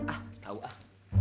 ah tau ah